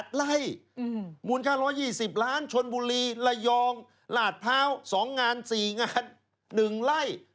อืมมูลค่า๑๒๐ล้านชนบุหรี่ลายองหลาดเภา๒งาน๔งาน๑ไร่